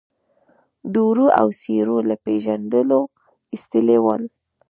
دوړو او سيورو له پېژندلو ايستلي ول.